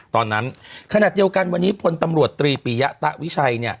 ตอนนั้นขนาดเดียวกันวันนี้พลตำรวจตรีปียะตะวิชัยเนี่ย